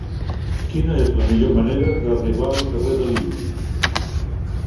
Quina és la millor manera d'arribar al carrer de l'Índic?